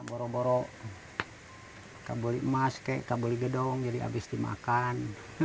borok borok nggak boleh emas nggak boleh gedung jadi habis dimakan